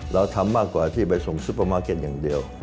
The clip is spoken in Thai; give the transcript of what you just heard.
เราทำมากกว่าที่ไปส่งซุปเปอร์มาร์เก็ตอย่างเดียว